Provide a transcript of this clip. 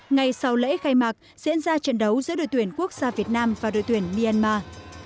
ngay sau lễ khai mạc diễn ra trận đấu giữa đội tuyển quốc gia việt nam và đội tuyển myanmar